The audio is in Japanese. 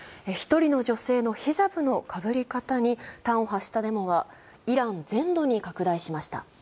１人の女性のヒジャブのかぶり方に端を発したデモはイラン全土に拡大しました。